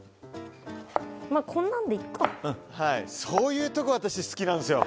そういうとこが私好きなんですよ。